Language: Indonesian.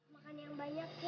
makan yang banyak ya